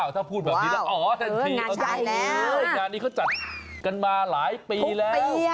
ถ้าพูดแบบนี้แล้วอ๋อทันทีงานนี้เขาจัดกันมาหลายปีแล้ว